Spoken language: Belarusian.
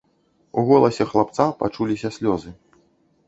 У голасе хлапца пачуліся слёзы.